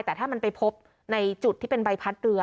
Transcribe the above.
แต่ถ้ามันไปพบในจุดที่เป็นใบพัดเรือ